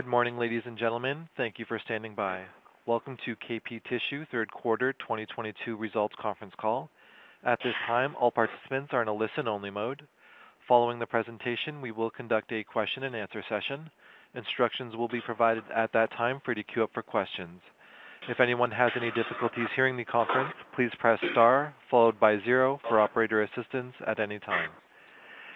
Good morning, ladies and gentlemen. Thank you for standing by. Welcome to KP Tissue third quarter 2022 results conference call. At this time, all participants are in a listen only mode. Following the presentation, we will conduct a question and answer session. Instructions will be provided at that time for to queue up for questions. If anyone has any difficulties hearing the conference, please press star followed by zero for operator assistance at any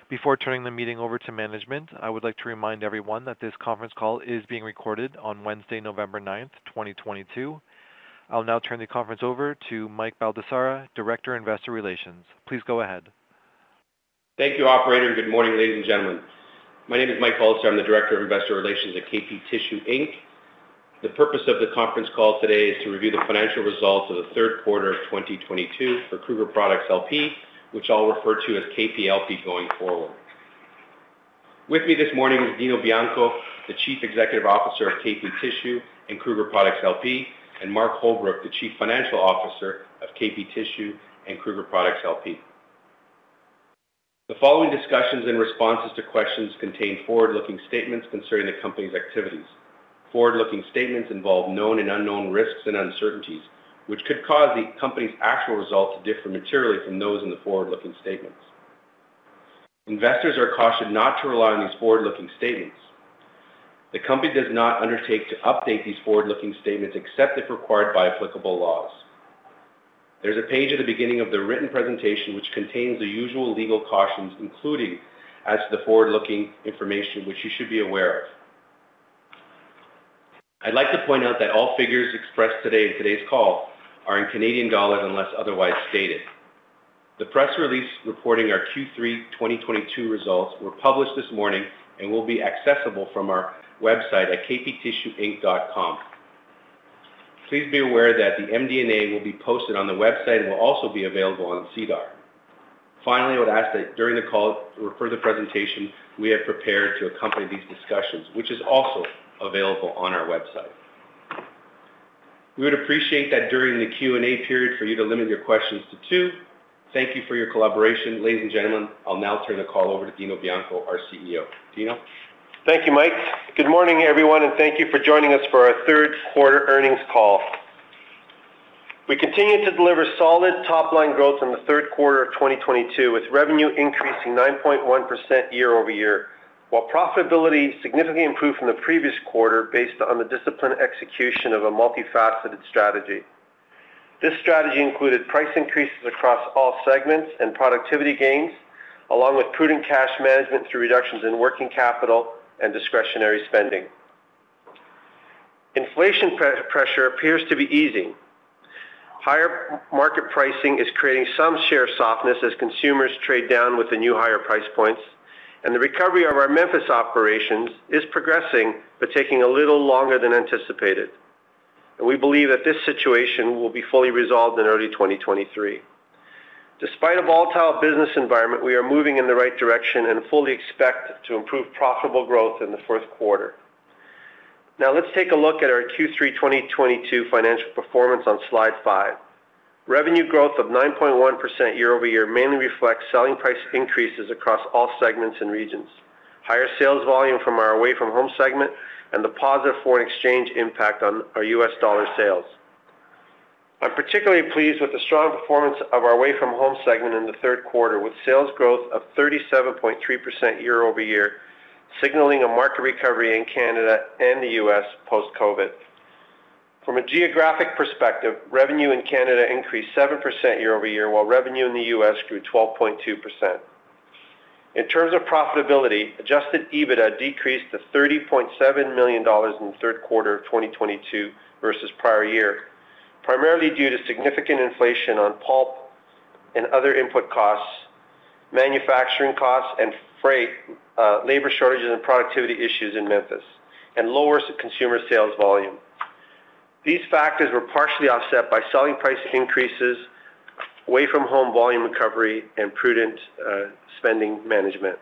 time. Before turning the meeting over to management, I would like to remind everyone that this conference call is being recorded on Wednesday, November 9th, 2022. I'll now turn the conference over to Mike Baldesarra, Director, Investor Relations. Please go ahead. Thank you, operator. Good morning, ladies and gentlemen. My name is Mike Baldesarra. I'm the Director of Investor Relations at KP Tissue Inc. The purpose of the conference call today is to review the financial results of the third quarter of 2022 for Kruger Products LP, which I'll refer to as KPLP going forward. With me this morning is Dino Bianco, the Chief Executive Officer of KP Tissue and Kruger Products LP, and Mark Holbrook, the Chief Financial Officer of KP Tissue and Kruger Products LP. The following discussions and responses to questions contain forward-looking statements concerning the company's activities. Forward-looking statements involve known and unknown risks and uncertainties, which could cause the company's actual results to differ materially from those in the forward-looking statements. Investors are cautioned not to rely on these forward-looking statements. The company does not undertake to update these forward-looking statements except if required by applicable laws. There's a page at the beginning of the written presentation which contains the usual legal cautions, including as to the forward-looking information which you should be aware of. I'd like to point out that all figures expressed today in today's call are in Canadian dollars unless otherwise stated. The press release reporting our Q3 2022 results were published this morning and will be accessible from our website at kptissueinc.com. Please be aware that the MD&A will be posted on the website and will also be available on SEDAR. Finally, I would ask that during the call refer the presentation we have prepared to accompany these discussions, which is also available on our website. We would appreciate that during the Q&A period for you to limit your questions to two. Thank you for your collaboration. Ladies and gentlemen, I'll now turn the call over to Dino Bianco, our CEO. Dino. Thank you, Mike. Good morning, everyone, and thank you for joining us for our third quarter earnings call. We continued to deliver solid top-line growth in the third quarter of 2022, with revenue increasing 9.1% year-over-year, while profitability significantly improved from the previous quarter based on the disciplined execution of a multifaceted strategy. This strategy included price increases across all segments and productivity gains, along with prudent cash management through reductions in working capital and discretionary spending. Inflationary pressure appears to be easing. Higher market pricing is creating some share softness as consumers trade down with the new higher price points, and the recovery of our Memphis operations is progressing but taking a little longer than anticipated. We believe that this situation will be fully resolved in early 2023. Despite a volatile business environment, we are moving in the right direction and fully expect to improve profitable growth in the fourth quarter. Now let's take a look at our Q3 2022 financial performance on slide five. Revenue growth of 9.1% year-over-year mainly reflects selling price increases across all segments and regions, higher sales volume from our away from home segment, and the positive foreign exchange impact on our U.S. dollar sales. I'm particularly pleased with the strong performance of our away from home segment in the third quarter, with sales growth of 37.3% year-over-year, signaling a market recovery in Canada and the U.S. post-COVID. From a geographic perspective, revenue in Canada increased 7% year-over-year, while revenue in the U.S. grew 12.2%. In terms of profitability, Adjusted EBITDA decreased to 30.7 million dollars in the third quarter of 2022 versus prior year, primarily due to significant inflation on pulp and other input costs, manufacturing costs and freight, labor shortages and productivity issues in Memphis, and lower consumer sales volume. These factors were partially offset by selling price increases, away from home volume recovery, and prudent spending management.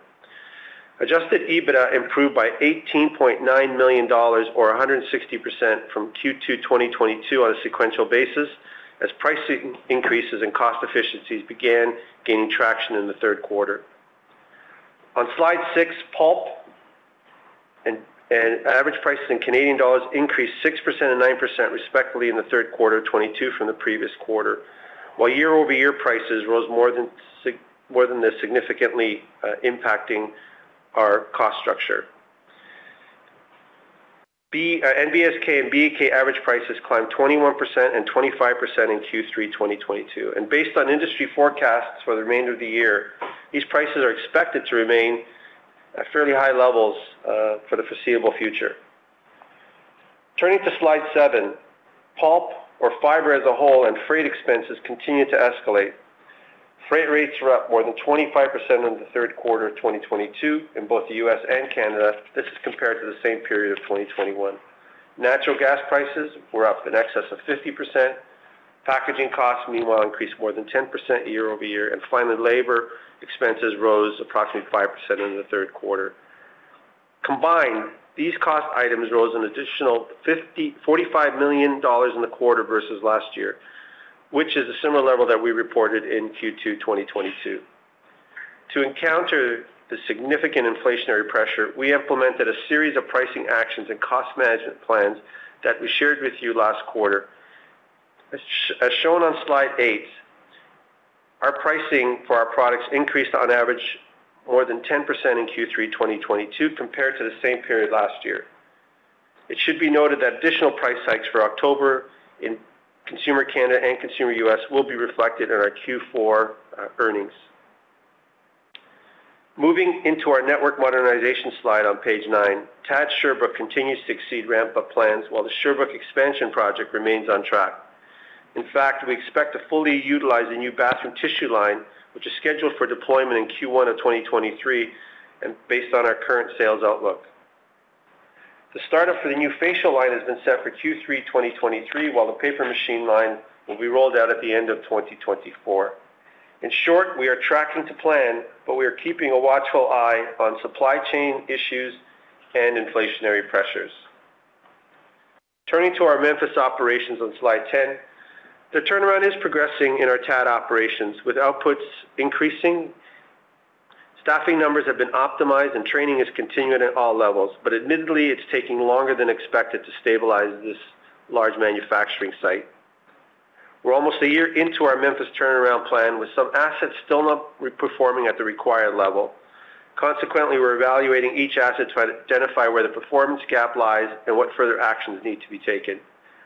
Adjusted EBITDA improved by 18.9 million dollars or 160% from Q2 2022 on a sequential basis as price increases and cost efficiencies began gaining traction in the third quarter. On slide six, pulp and average prices in Canadian dollars increased 6% and 9% respectively in the third quarter of 2022 from the previous quarter, while year-over-year prices rose significantly, impacting our cost structure. NBSK and BEK average prices climbed 21% and 25% in Q3 2022. Based on industry forecasts for the remainder of the year, these prices are expected to remain at fairly high levels for the foreseeable future. Turning to slide seven, pulp and fiber as a whole and freight expenses continued to escalate. Freight rates were up more than 25% over the third quarter of 2022 in both the U.S. and Canada. This is compared to the same period of 2021. Natural gas prices were up in excess of 50%. Packaging costs meanwhile increased more than 10% year-over-year. Finally, labor expenses rose approximately 5% in the third quarter. Combined, these cost items rose an additional 45 million dollars in the quarter versus last year, which is a similar level that we reported in Q2 2022. To encounter the significant inflationary pressure, we implemented a series of pricing actions and cost management plans that we shared with you last quarter. As shown on slide eight, our pricing for our products increased on average more than 10% in Q3 2022 compared to the same period last year. It should be noted that additional price hikes for October in consumer Canada and consumer U.S. will be reflected in our Q4 earnings. Moving into our network modernization slide on page nine, TAD Sherbrooke continues to exceed ramp-up plans while the Sherbrooke expansion project remains on track. In fact, we expect to fully utilize the new bathroom tissue line, which is scheduled for deployment in Q1 of 2023, and based on our current sales outlook. The startup for the new facial line has been set for Q3, 2023, while the paper machine line will be rolled out at the end of 2024. In short, we are tracking to plan, but we are keeping a watchful eye on supply chain issues and inflationary pressures. Turning to our Memphis operations on slide 10. The turnaround is progressing in our TAD operations with outputs increasing. Staffing numbers have been optimized and training is continuing at all levels, but admittedly, it's taking longer than expected to stabilize this large manufacturing site. We're almost a year into our Memphis turnaround plan, with some assets still not re-performing at the required level. Consequently, we're evaluating each asset to identify where the performance gap lies and what further actions need to be taken.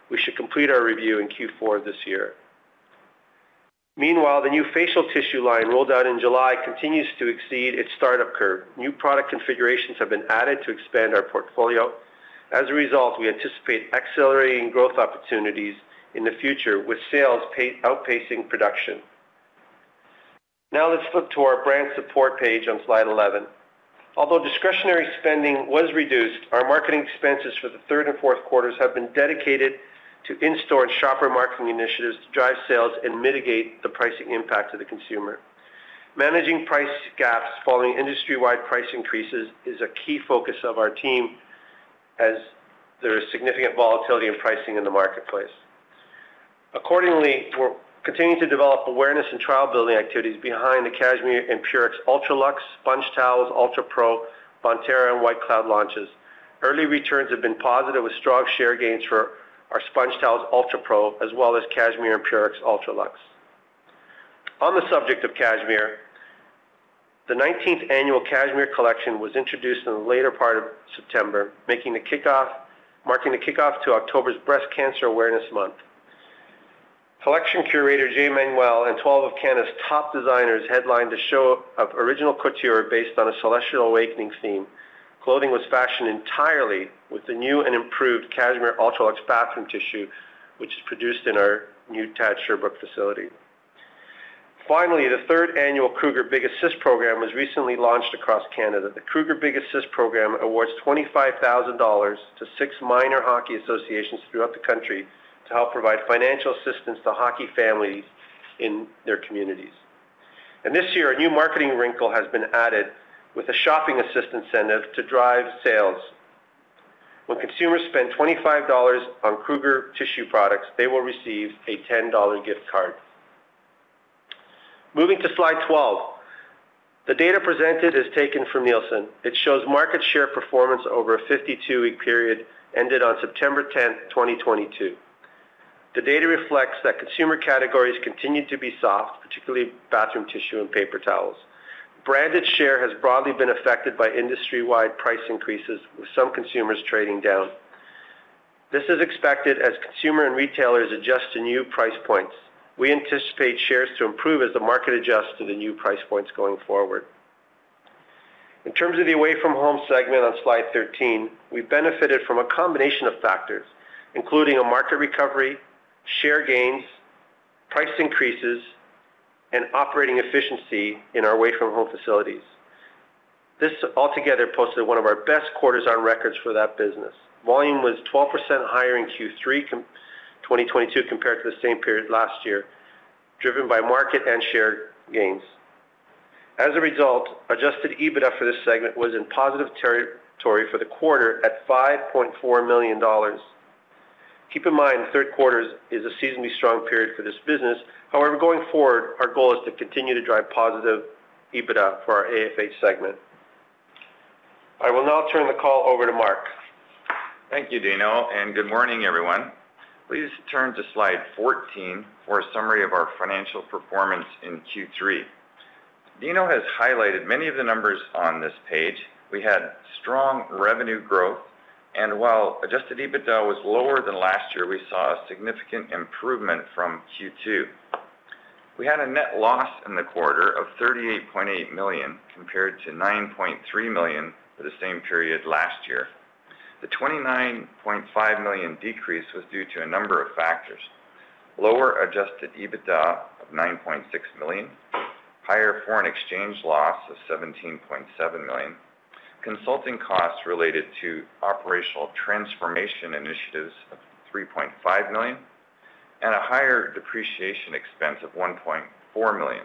We should complete our review in Q4 this year. Meanwhile, the new facial tissue line rolled out in July continues to exceed its startup curve. New product configurations have been added to expand our portfolio. As a result, we anticipate accelerating growth opportunities in the future with sales pace outpacing production. Now let's flip to our brand support page on slide 11. Although discretionary spending was reduced, our marketing expenses for the third and fourth quarters have been dedicated to in-store and shopper marketing initiatives to drive sales and mitigate the pricing impact to the consumer. Managing price gaps following industry-wide price increases is a key focus of our team as there is significant volatility in pricing in the marketplace. Accordingly, we're continuing to develop awareness and trial-building activities behind the Cashmere and Purex UltraLuxe SpongeTowels UltraPRO, Bonterra, and White Cloud launches. Early returns have been positive with strong share gains for our SpongeTowels UltraPRO as well as Cashmere and Purex UltraLuxe. On the subject of Cashmere, the 19th annual Cashmere Collection was introduced in the later part of September, marking the kickoff to October's Breast Cancer Awareness Month. Collection Curator Jay Manuel and 12 of Canada's top designers headlined a show of original couture based on a celestial awakening theme. Clothing was fashioned entirely with the new and improved Cashmere UltraLuxe bathroom tissue, which is produced in our new TAD Sherbrooke facility. Finally, the third annual Kruger Big Assist program was recently launched across Canada. The Kruger Big Assist program awards 25,000 dollars to six minor hockey associations throughout the country to help provide financial assistance to hockey families in their communities. This year, a new marketing wrinkle has been added with a shopping assistance incentive to drive sales. When consumers spend 25 dollars on Kruger tissue products, they will receive a 10 dollar gift card. Moving to slide 12. The data presented is taken from Nielsen. It shows market share performance over a 52-week period ended on September 10th, 2022. The data reflects that consumer categories continued to be soft, particularly bathroom tissue and paper towels. Branded share has broadly been affected by industry-wide price increases, with some consumers trading down. This is expected as consumers and retailers adjust to new price points. We anticipate shares to improve as the market adjusts to the new price points going forward. In terms of the away-from-home segment on slide 13, we benefited from a combination of factors, including a market recovery, share gains, price increases, and operating efficiency in our away-from-home facilities. This altogether posted one of our best quarters on record for that business. Volume was 12% higher in Q3 2022 compared to the same period last year, driven by market and share gains. As a result, Adjusted EBITDA for this segment was in positive territory for the quarter at 5.4 million dollars. Keep in mind, third quarter is a seasonally strong period for this business. However, going forward, our goal is to continue to drive positive EBITDA for our AFH segment. I will now turn the call over to Mark. Thank you, Dino, and good morning, everyone. Please turn to slide 14 for a summary of our financial performance in Q3. Dino has highlighted many of the numbers on this page. We had strong revenue growth, and while Adjusted EBITDA was lower than last year, we saw a significant improvement from Q2. We had a net loss in the quarter of 38.8 million, compared to 9.3 million for the same period last year. The 29.5 million decrease was due to a number of factors, lower Adjusted EBITDA of 9.6 million, higher foreign exchange loss of 17.7 million, consulting costs related to operational transformation initiatives of 3.5 million, and a higher depreciation expense of 1.4 million.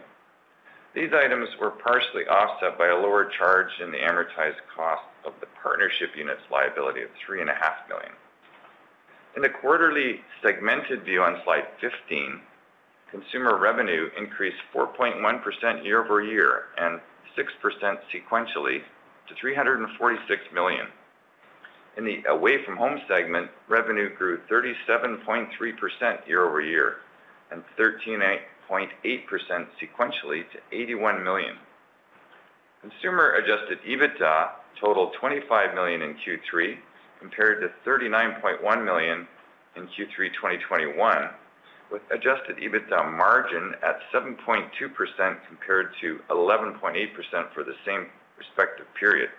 These items were partially offset by a lower charge in the amortized cost of the partnership units liability of 3.5 million. In the quarterly segmented view on slide 15, consumer revenue increased 4.1% year-over-year and 6% sequentially to 346 million. In the away from home segment, revenue grew 37.3% year-over-year and 13.8% sequentially to 81 million. Consumer Adjusted EBITDA totaled 25 million in Q3 compared to 39.1 million in Q3 2021, with Adjusted EBITDA margin at 7.2% compared to 11.8% for the same respective period.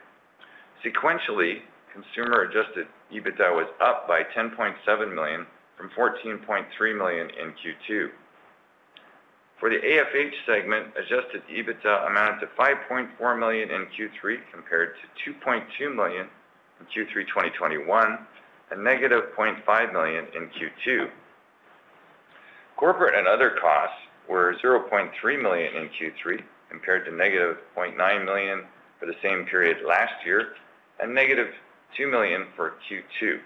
Sequentially, consumer Adjusted EBITDA was up by 10.7 million from 14.3 million in Q2. For the AFH segment, Adjusted EBITDA amounted to 5.4 million in Q3 compared to 2.2 million in Q3 2021, -0.5 million in Q2. Corporate and other costs were 0.3 million in Q3 compared to -0.9 million for the same period last year and -2 million for Q2.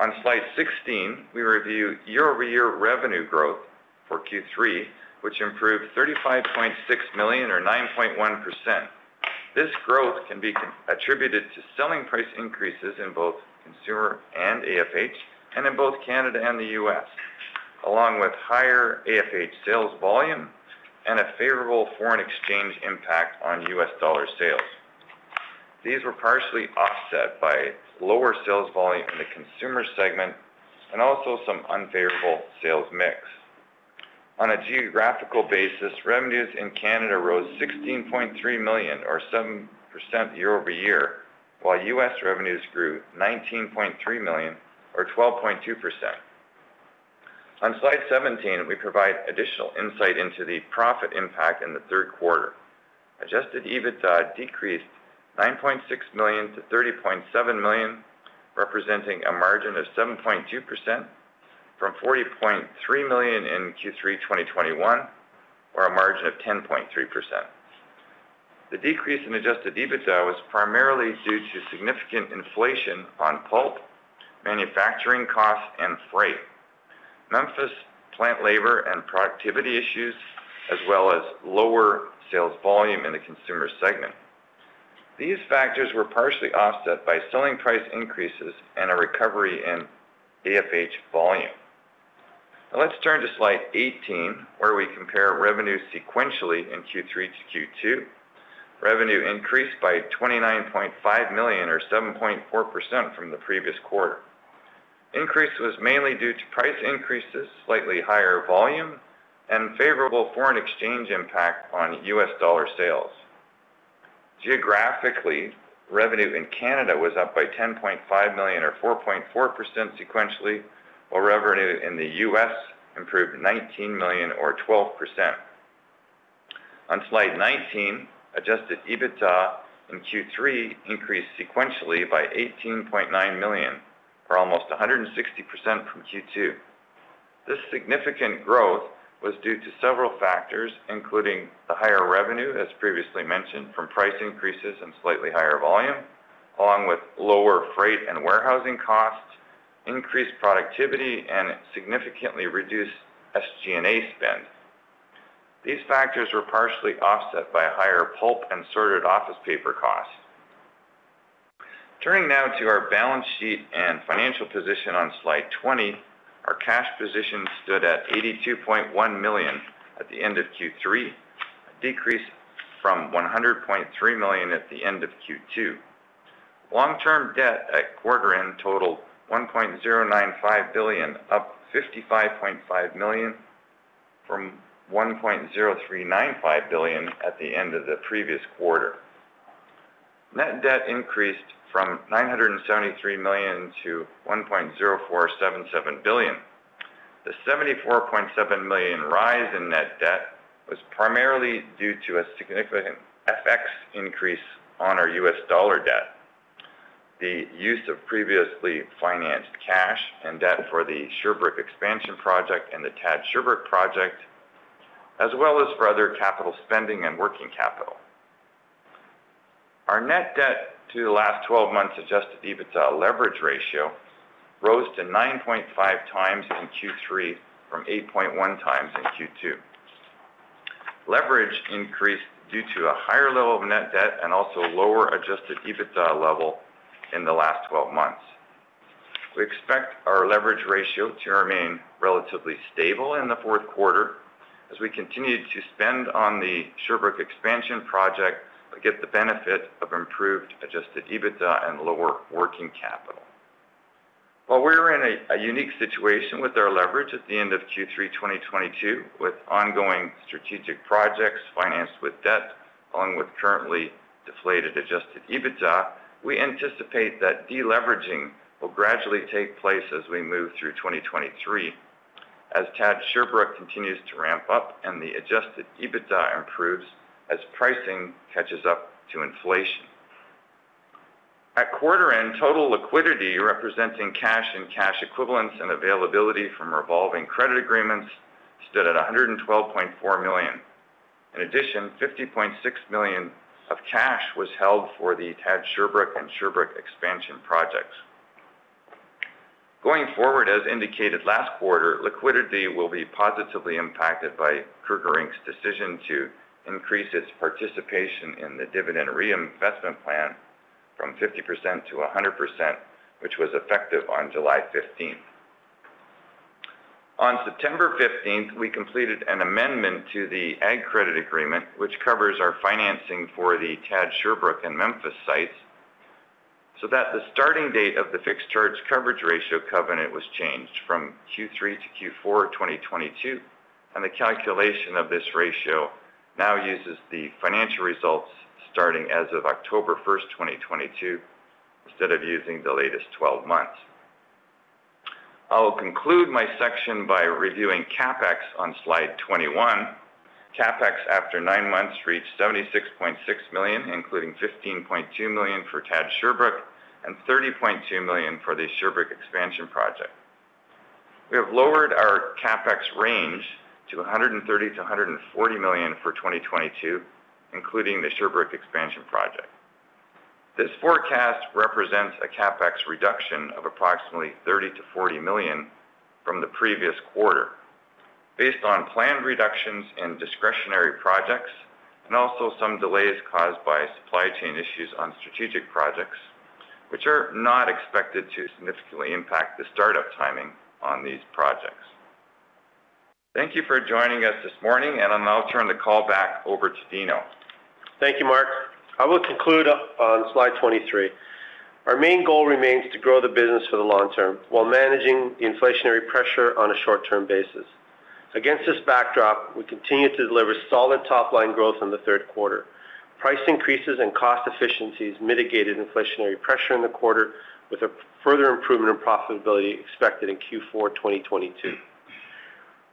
On slide 16, we review year-over-year revenue growth for Q3, which improved 35.6 million or 9.1%. This growth can be attributed to selling price increases in both consumer and AFH and in both Canada and the U.S., along with higher AFH sales volume and a favorable foreign exchange impact on U.S. dollar sales. These were partially offset by lower sales volume in the consumer segment and also some unfavorable sales mix. On a geographical basis, revenues in Canada rose 16.3 million or 7% year-over-year, while U.S. revenues grew 19.3 million or 12.2%. On slide 17, we provide additional insight into the profit impact in the third quarter. Adjusted EBITDA decreased 9.6 million to 30.7 million, representing a margin of 7.2% from 40.3 million in Q3 2021 or a margin of 10.3%. The decrease in Adjusted EBITDA was primarily due to significant inflation on pulp, manufacturing costs, and freight, Memphis plant labor and productivity issues, as well as lower sales volume in the consumer segment. These factors were partially offset by selling price increases and a recovery in AFH volume. Now let's turn to slide 18, where we compare revenue sequentially in Q3 to Q2. Revenue increased by 29.5 million or 7.4% from the previous quarter. Increase was mainly due to price increases, slightly higher volume, and favorable foreign exchange impact on U.S. dollar sales. Geographically, revenue in Canada was up by 10.5 million or 4.4% sequentially, while revenue in the U.S. improved 19 million or 12%. On slide 19, Adjusted EBITDA in Q3 increased sequentially by 18.9 million or almost 160% from Q2. This significant growth was due to several factors, including the higher revenue, as previously mentioned, from price increases and slightly higher volume, along with lower freight and warehousing costs, increased productivity, and significantly reduced SG&A spend. These factors were partially offset by higher pulp and Sorted Office Paper costs. Turning now to our balance sheet and financial position on slide 20, our cash position stood at 82.1 million at the end of Q3, a decrease from 100.3 million at the end of Q2. Long-term debt at quarter end totaled 1.095 billion, up 55.5 million from 1.0395 billion at the end of the previous quarter. Net debt increased from 973 million to 1.0477 billion. The 74.7 million rise in net debt was primarily due to a significant FX increase on our U.S. dollar debt, the use of previously financed cash and debt for the Sherbrooke expansion project and the TAD Sherbrooke project, as well as for other capital spending and working capital. Our net debt to the last 12 months Adjusted EBITDA leverage ratio rose to 9.5x in Q3 from 8.1x in Q2. Leverage increased due to a higher level of net debt and also lower Adjusted EBITDA level in the last 12 months. We expect our leverage ratio to remain relatively stable in the fourth quarter as we continue to spend on the Sherbrooke expansion project but get the benefit of improved Adjusted EBITDA and lower working capital. While we are in a unique situation with our leverage at the end of Q3 2022 with ongoing strategic projects financed with debt along with currently deflated Adjusted EBITDA, we anticipate that deleveraging will gradually take place as we move through 2023 as TAD Sherbrooke continues to ramp up and the Adjusted EBITDA improves as pricing catches up to inflation. At quarter end, total liquidity representing cash and cash equivalents and availability from revolving credit agreements stood at 112.4 million. In addition, 50.6 million of cash was held for the TAD Sherbrooke and Sherbrooke expansion projects. Going forward, as indicated last quarter, liquidity will be positively impacted by Kruger Inc.'s decision to increase its participation in the dividend reinvestment plan from 50% to 100%, which was effective on July 15th. On September 15th, we completed an amendment to the AgCredit Agreement, which covers our financing for the TAD Sherbrooke and Memphis sites, so that the starting date of the fixed charge coverage ratio covenant was changed from Q3 to Q4 2022, and the calculation of this ratio now uses the financial results starting as of October 1st, 2022, instead of using the latest 12 months. I will conclude my section by reviewing CapEx on slide 21. CapEx after nine months reached 76.6 million, including 15.2 million for TAD Sherbrooke and 30.2 million for the Sherbrooke expansion project. We have lowered our CapEx range to 130 million-140 million for 2022, including the Sherbrooke expansion project. This forecast represents a CapEx reduction of approximately 30 million-40 million from the previous quarter based on planned reductions in discretionary projects and also some delays caused by supply chain issues on strategic projects, which are not expected to significantly impact the startup timing on these projects. Thank you for joining us this morning, and I'll now turn the call back over to Dino. Thank you, Mark. I will conclude on slide 23. Our main goal remains to grow the business for the long term while managing the inflationary pressure on a short-term basis. Against this backdrop, we continue to deliver solid top line growth in the third quarter. Price increases and cost efficiencies mitigated inflationary pressure in the quarter with a further improvement in profitability expected in Q4 2022.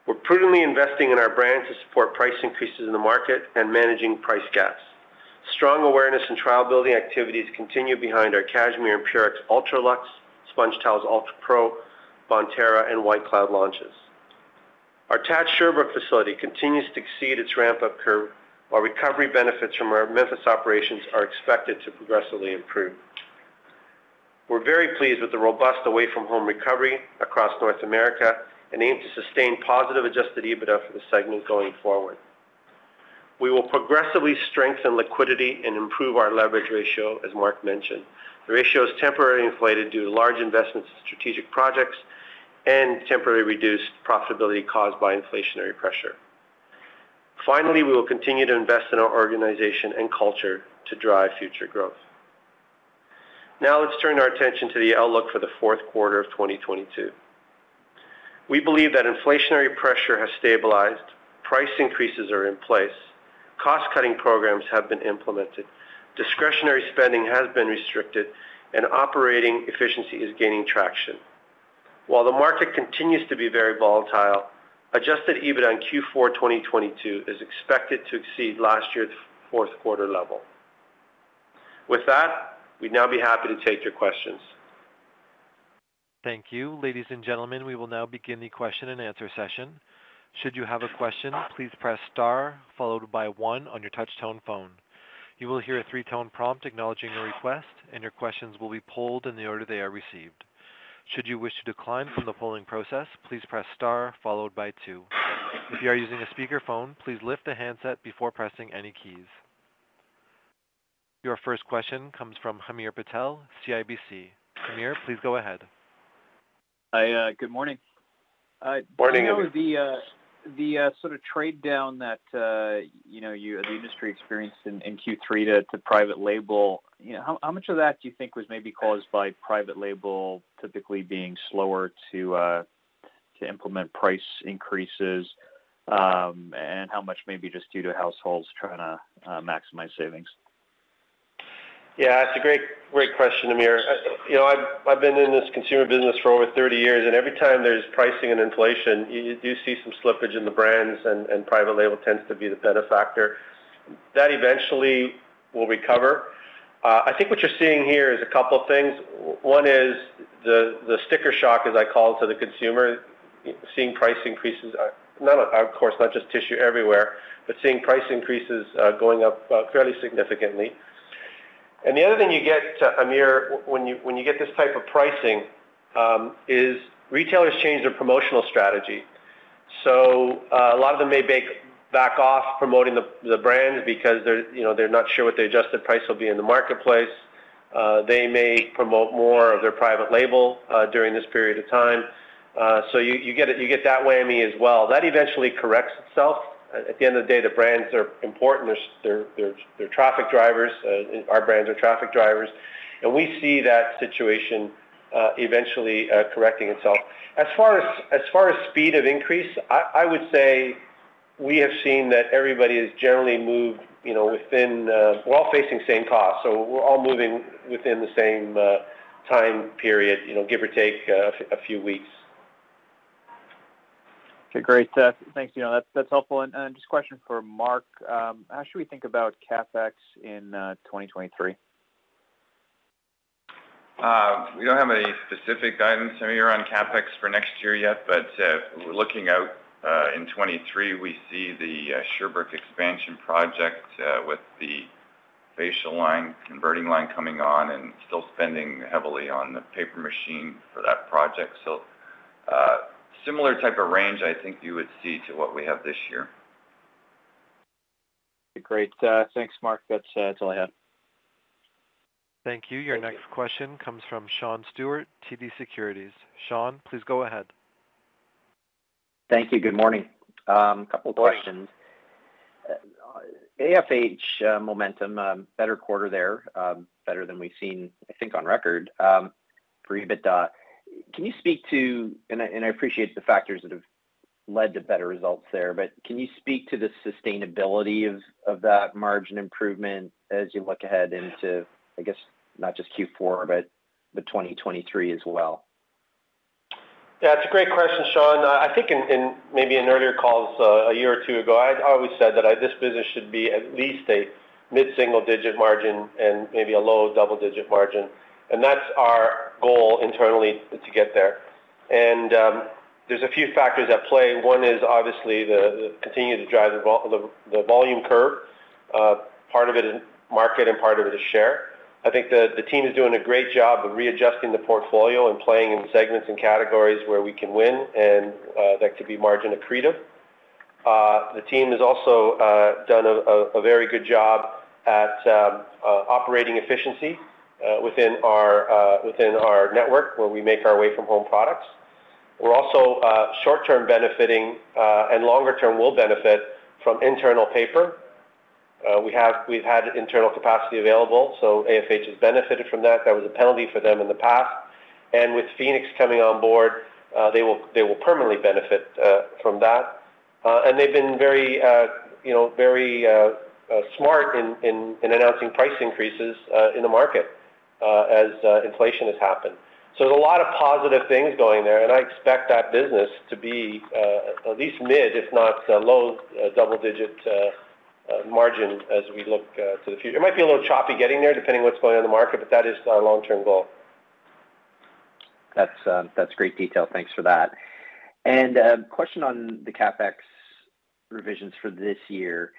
We're prudently investing in our brands to support price increases in the market and managing price gaps. Strong awareness and trial-building activities continue behind our Cashmere and Purex UltraLuxe, SpongeTowels UltraPRO, Bonterra, and White Cloud launches. Our TAD Sherbrooke facility continues to exceed its ramp-up curve, while recovery benefits from our Memphis operations are expected to progressively improve. We're very pleased with the robust away-from-home recovery across North America and aim to sustain positive Adjusted EBITDA for the segment going forward. We will progressively strengthen liquidity and improve our leverage ratio, as Mark mentioned. The ratio is temporarily inflated due to large investments in strategic projects and temporary reduced profitability caused by inflationary pressure. Finally, we will continue to invest in our organization and culture to drive future growth. Now let's turn our attention to the outlook for the fourth quarter of 2022. We believe that inflationary pressure has stabilized, price increases are in place, cost-cutting programs have been implemented, discretionary spending has been restricted, and operating efficiency is gaining traction. While the market continues to be very volatile, Adjusted EBITDA on Q4 2022 is expected to exceed last year's fourth quarter level. With that, we'd now be happy to take your questions. Thank you. Ladies and gentlemen, we will now begin the question-and-answer session. Should you have a question, please press star followed by one on your touch-tone phone. You will hear a three-tone prompt acknowledging your request, and your questions will be polled in the order they are received. Should you wish to decline from the polling process, please press star followed by two. If you are using a speakerphone, please lift the handset before pressing any keys. Your first question comes from Hamir Patel, CIBC. Hamir, please go ahead. Hi. Good morning. Morning, Hamir. Dino, sort of trade down that you know the industry experienced in Q3 to private label, you know, how much of that do you think was maybe caused by private label typically being slower to implement price increases, and how much may be just due to households trying to maximize savings? Yeah, it's a great question, Hamir. You know, I've been in this consumer business for over 30 years, and every time there's pricing and inflation, you do see some slippage in the brands, and private label tends to be the benefactor. That eventually will recover. I think what you're seeing here is a couple things. One is the sticker shock, as I call it, to the consumer, seeing price increases, of course, not just tissue, everywhere, but seeing price increases going up fairly significantly. The other thing you get, Hamir, when you get this type of pricing, is retailers change their promotional strategy. A lot of them may back off promoting the brands because they're, you know, they're not sure what the adjusted price will be in the marketplace. They may promote more of their private label during this period of time. So you get that whammy as well. That eventually corrects itself. At the end of the day, the brands are important. They're traffic drivers. Our brands are traffic drivers. We see that situation eventually correcting itself. As far as speed of increase, I would say we have seen that everybody has generally moved, you know, within. We're all facing the same costs, so we're all moving within the same time period, you know, give or take a few weeks. Okay. Great. Thanks, Dino. That's helpful. Just a question for Mark. How should we think about CapEx in 2023? We don't have any specific guidance, Hamir, on CapEx for next year yet. Looking out in 2023, we see the Sherbrooke expansion project with the facial line converting line coming on and still spending heavily on the paper machine for that project. Similar type of range I think you would see to what we have this year. Great. Thanks, Mark. That's all I have. Thank you. Your next question comes from Sean Steuart, TD Securities. Sean, please go ahead. Thank you. Good morning. A couple questions. AFH momentum, better quarter there, better than we've seen, I think, on record, for EBITDA. I appreciate the factors that have led to better results there, but can you speak to the sustainability of that margin improvement as you look ahead into, I guess, not just Q4, but to 2023 as well? Yeah, it's a great question, Sean. I think in maybe in earlier calls a year or two ago, I'd always said that this business should be at least a mid-single digit margin and maybe a low double-digit margin. That's our goal internally to get there. There's a few factors at play. One is obviously the continuing to drive the volume curve, part of it in market and part of it is share. I think the team is doing a great job of readjusting the portfolio and playing in segments and categories where we can win and that could be margin accretive. The team has also done a very good job at operating efficiency within our network where we make our away-from-home products. We're also short-term benefiting and longer-term will benefit from internal paper. We've had internal capacity available, so AFH has benefited from that. That was a penalty for them in the past. With Phoenix coming on board, they will permanently benefit from that. They've been very you know very smart in announcing price increases in the market as inflation has happened. There's a lot of positive things going there, and I expect that business to be at least mid if not low double-digit margin as we look to the future. It might be a little choppy getting there depending on what's going on in the market, but that is our long-term goal. That's great detail. Thanks for that. Question on the CapEx revisions for this year.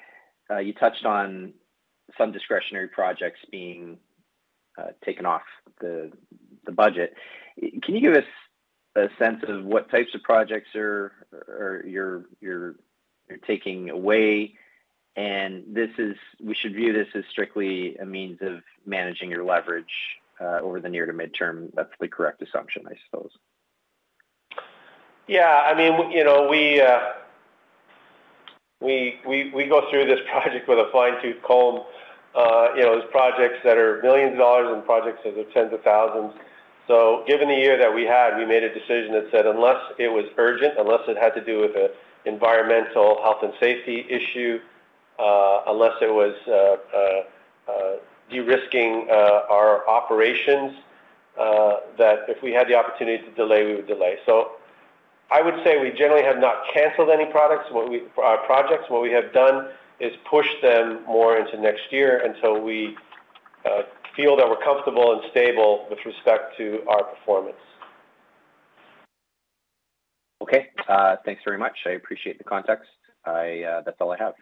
You touched on some discretionary projects being taken off the budget. Can you give us a sense of what types of projects are you taking away? We should view this as strictly a means of managing your leverage over the near to mid-term. That's the correct assumption, I suppose. Yeah. I mean, you know, we go through this project with a fine-tooth comb. You know, there are projects that are millions of dollars and projects that are tens of thousands. Given the year that we had, we made a decision that said unless it was urgent, unless it had to do with an environmental health and safety issue, unless it was de-risking our operations, that if we had the opportunity to delay, we would delay. I would say we generally have not canceled any projects. What we have done is push them more into next year until we feel that we're comfortable and stable with respect to our performance. Okay. Thanks very much. I appreciate the context. That's all I have.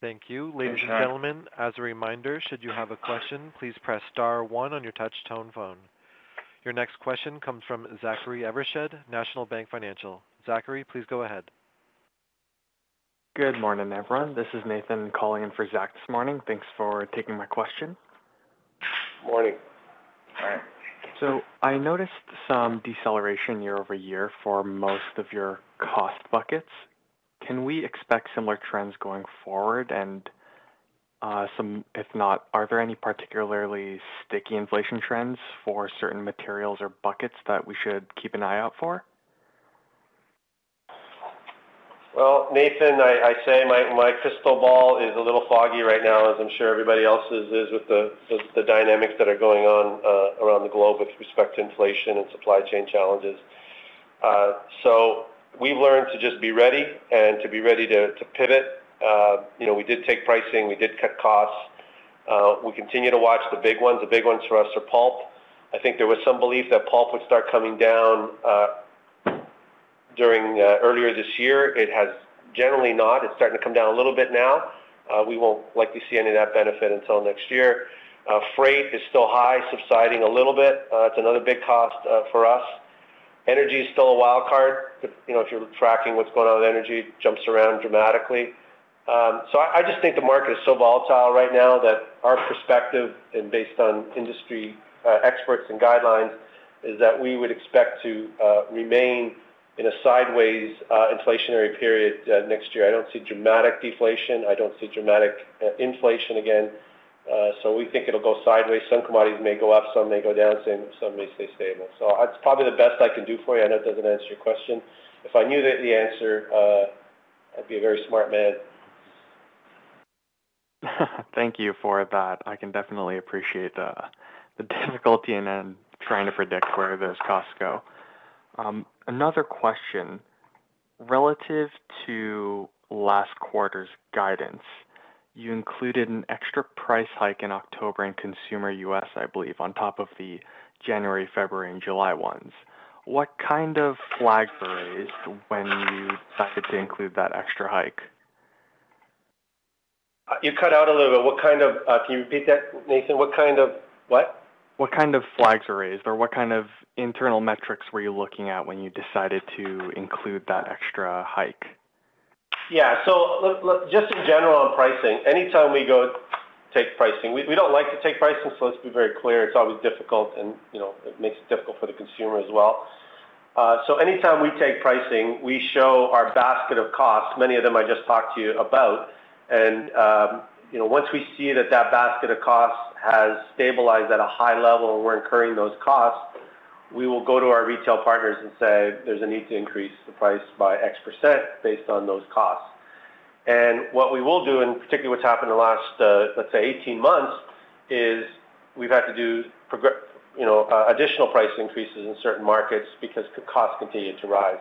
Thank you. Ladies and gentlemen, as a reminder, should you have a question, please press star one on your touch tone phone. Your next question comes from Zachary Evershed, National Bank Financial. Zachary, please go ahead. Good morning, everyone. This is Nathan calling in for Zach this morning. Thanks for taking my question. Morning. All right. I noticed some deceleration year-over-year for most of your cost buckets. Can we expect similar trends going forward? If not, are there any particularly sticky inflation trends for certain materials or buckets that we should keep an eye out for? Well, Nathan, I say my crystal ball is a little foggy right now, as I'm sure everybody else's is with the dynamics that are going on around the globe with respect to inflation and supply chain challenges. We've learned to just be ready and to be ready to pivot. You know, we did take pricing. We did cut costs. We continue to watch the big ones. The big ones for us are pulp. I think there was some belief that pulp would start coming down during earlier this year. It has generally not. It's starting to come down a little bit now. We won't likely see any of that benefit until next year. Freight is still high, subsiding a little bit. It's another big cost for us. Energy is still a wild card. You know, if you're tracking what's going on with energy, it jumps around dramatically. I just think the market is so volatile right now that our perspective and based on industry experts and guidelines is that we would expect to remain in a sideways inflationary period next year. I don't see dramatic deflation. I don't see dramatic inflation again. We think it'll go sideways. Some commodities may go up, some may go down, some may stay stable. That's probably the best I can do for you. I know it doesn't answer your question. If I knew the answer, I'd be a very smart man. Thank you for that. I can definitely appreciate the difficulty in trying to predict where those costs go. Another question. Relative to last quarter's guidance, you included an extra price hike in October in consumer U.S., I believe, on top of the January, February, and July ones. What kind of flags were raised when you decided to include that extra hike? You cut out a little bit. Can you repeat that, Nathan? What kind of what? What kind of flags were raised, or what kind of internal metrics were you looking at when you decided to include that extra hike? Yeah. Just in general on pricing, anytime we go take pricing, we don't like to take pricing, so let's be very clear. It's always difficult and, you know, it makes it difficult for the consumer as well. Anytime we take pricing, we show our basket of costs, many of them I just talked to you about. You know, once we see that that basket of costs has stabilized at a high level and we're incurring those costs, we will go to our retail partners and say, "There's a need to increase the price by x% based on those costs." What we will do, and particularly what's happened in the last, let's say 18 months, is we've had to do you know, additional price increases in certain markets because costs continued to rise.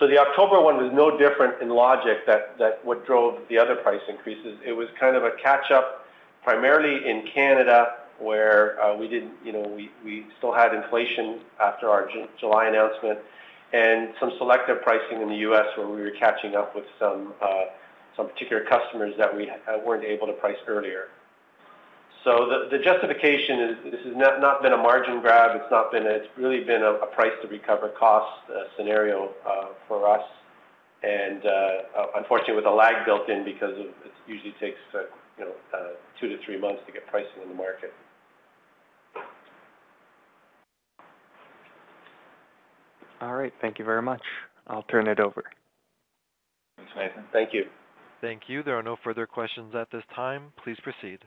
The October one was no different in logic that what drove the other price increases. It was kind of a catch-up, primarily in Canada, where we didn't, we still had inflation after our July announcement, and some selective pricing in the U.S. where we were catching up with some particular customers that we weren't able to price earlier. The justification is this has not been a margin grab. It's really been a price to recover costs scenario for us. Unfortunately, with a lag built in because it usually takes two to three months to get pricing in the market. All right. Thank you very much. I'll turn it over. Thanks, Nathan. Thank you. Thank you. There are no further questions at this time. Please proceed.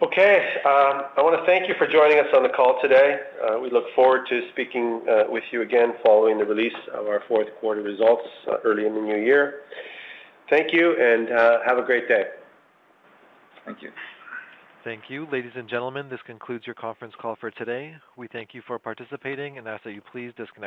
Okay. I wanna thank you for joining us on the call today. We look forward to speaking with you again following the release of our fourth quarter results early in the new year. Thank you, and have a great day. Thank you. Thank you. Ladies and gentlemen, this concludes your conference call for today. We thank you for participating and ask that you please disconnect.